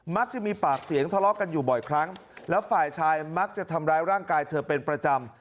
มักจะมีปากเสียงทะเลาะกันอยู่บ่อยครั้งแล้วฝ่ายชายมักจะทำร้ายร่างกายเธอเป็นประจำ